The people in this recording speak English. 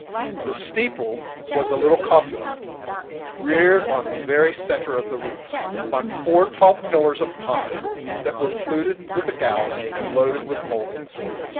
The "steeple" was a little cupola, reared on the very centre of the roof, on four tall pillars of pine that were fluted with a gouge, and loaded with mouldings.